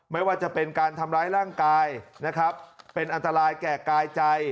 ไม่ว่าจะเป็นการทำร้ายร่างกายนะครับเป็นอันตรายแก่กายใจ